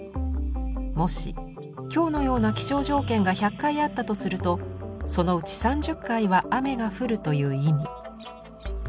もし今日のような気象条件が１００回あったとするとそのうち３０回は雨が降るという意味。